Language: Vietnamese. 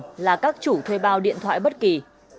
hay là các chủ thuê bao điện thoại bất kỳ